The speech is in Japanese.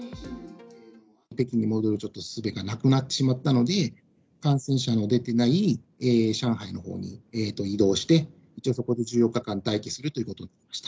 北京に戻る、ちょっとすべがなくなってしまったので、感染者の出ていない上海のほうに移動して、一応そこで１４日間待機するということになりました。